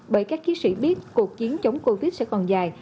bởi các chiến sĩ biết cuộc chiến chống covid sẽ còn dài